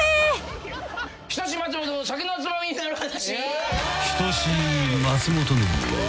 『人志松本の酒のツマミになる話』